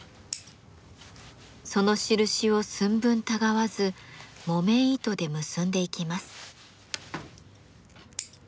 その印を寸分たがわず木綿糸で結んでいきます。